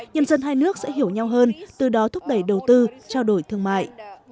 nhân dân hai nước sẽ hiểu nhau hơn từ đó thúc đẩy đầu tư trao đổi thương mại